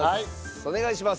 お願いします。